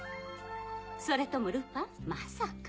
それともルパンまさか。